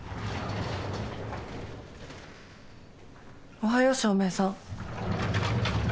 おはよう照明さん。